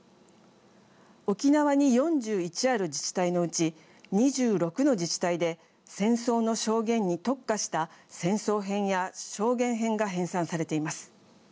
沖縄に４１ある自治体のうち２６の自治体で戦争の証言に特化した戦争編や証言編が編さんされています。